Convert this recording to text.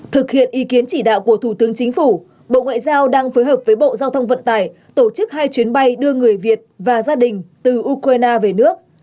thực hiện ý kiến chỉ đạo của thủ tướng chính phủ bộ ngoại giao đang phối hợp với bộ giao thông vận tải tổ chức hai chuyến bay đưa người việt và gia đình từ ukraine về nước